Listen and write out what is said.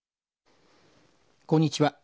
こんにちは。